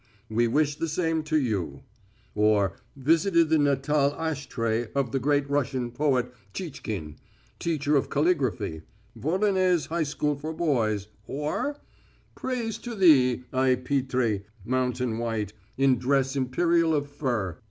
We wish the same to you," or "Visited the natal ash tray of the great Russian poet, Chichkin, teacher of caligraphy, Voronezh High School for Boys," or "Praise to thee, Ai Petri, mountain white, In dress imperial of fir.